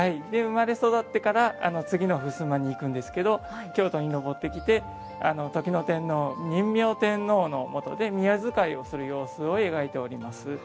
生まれ育ってから次の襖にいくんですけど京都に上ってきて時の天皇仁明天皇のもとで宮仕えをする様子を描いております。